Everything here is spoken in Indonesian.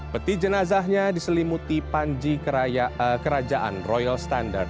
peti jenazahnya diselimuti panji kerajaan royal standard